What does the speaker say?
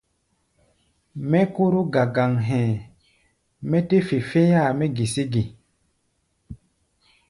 Mɛ́ kóró gagaŋ hɛ̧ɛ̧, mɛ́ tɛ́ fe féáa mɛ́ gesé ge?